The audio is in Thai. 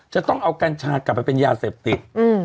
จะต้องเอากัญชากลับไปเป็นยาเสพติด